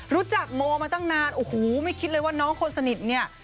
รู้จักโมมาตั้งนานโอ้โหไม่คิดเลยว่าน้องคนสนิทเนี่ย